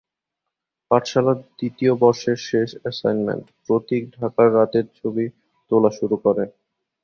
পাঠশালার দ্বিতীয় বর্ষের শেষ অ্যাসাইনমেন্ট, প্রতীক ঢাকার রাতের ছবি তোলা শুরু করে।